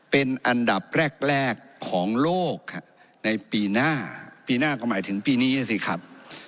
เป็นอันดับแรกแรกของโลกในปีหน้าปีหน้าก็หมายถึงปีนี้สิครับ